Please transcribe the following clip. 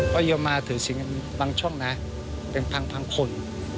ก็อย่ามาถือสิ่งบางช่วงนะเป็นพังคน